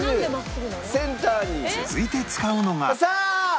続いて使うのがさあ！